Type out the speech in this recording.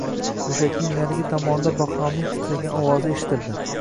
Go`shakning narigi tomonida Bahromning titragan ovozi eshitildi